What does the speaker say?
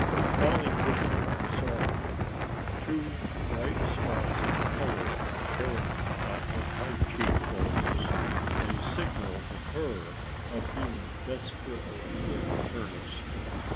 Polly whistled softly, two bright spots of color showing on her high cheek bones, a signal with her of being desperately in earnest.